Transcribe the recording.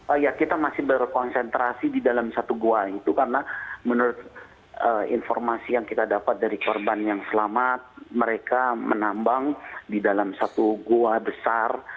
oh ya kita masih berkonsentrasi di dalam satu gua itu karena menurut informasi yang kita dapat dari korban yang selamat mereka menambang di dalam satu gua besar